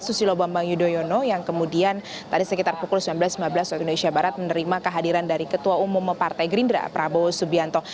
susilo bambang yudhoyono yang kemudian tadi sekitar pukul sembilan belas lima belas waktu indonesia barat menerima kehadiran dari ketua umum partai gerindra prabowo subianto